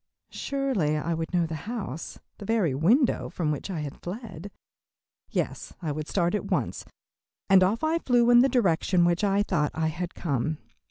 Surely I would know the house, the very window from which I had fled. Yes, I would start at once, and off I flew in the direction which I thought I had come.